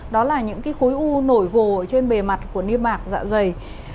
đó là những cái khối u nổi gồ trên bề mặt của niêm mạc dạ dày